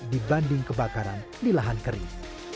dibanding kebakaran di lahan kering